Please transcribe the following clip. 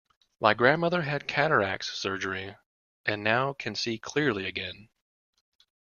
My grandmother had cataracts surgery and now can see clearly again.